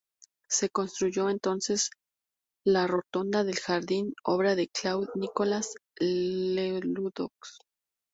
Se construyó entonces la rotonda del jardín, obra de Claude-Nicolas Ledoux.